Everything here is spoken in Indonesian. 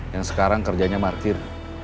yang sekarang kerjanya parkir